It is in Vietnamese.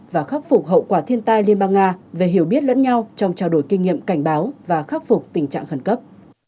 và khắc phục hậu quả thiên tai liên bang nga về hiểu biết lẫn nhau trong trao đổi kinh nghiệm cảnh báo và khắc phục tình trạng khẩn cấp